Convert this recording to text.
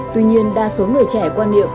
tuy nhiên đa số người trẻ quan niệm